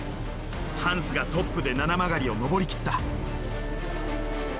ハンスがトップで七曲がりを上り切った。